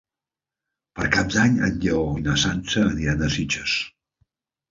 Per Cap d'Any en Lleó i na Sança aniran a Sitges.